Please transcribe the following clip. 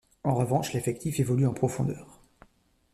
En revanche, l'effectif évolue en profondeur.